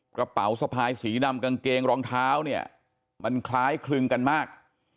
กระเป๋าสะพายสีดำกางเกงรองเท้าเนี่ยมันคล้ายคลึงกันมาก